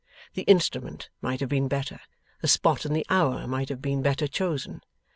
The instrument might have been better, the spot and the hour might have been better chosen.